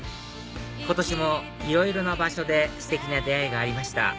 今年もいろいろな場所でステキな出会いがありました